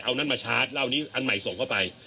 เอานั้นมาชาร์จเล่านี้อันใหม่ส่งเข้าไป